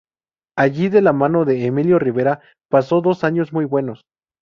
Allí de la mano de Emilio Rivera, pasó dos años muy buenos.